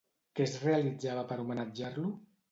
Què es realitzava per homenatjar-lo?